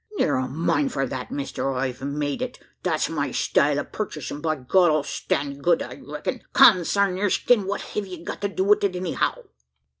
"Neer a mind for that, mister; I've made it: that's my style o' purchase, an', by God! it'll stan' good, I reck'n. Consarn yur skin! what hev you got to do wi't anyhow?"